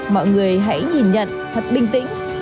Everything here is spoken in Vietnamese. mọi người hãy nhìn nhận thật bình tĩnh